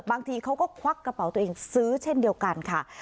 บางทีเขาก็ควักกระเป๋าตัวเองซื้อเช่นเดียวกันค่ะ